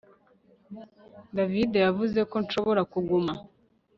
David yavuze ko nshobora kuguma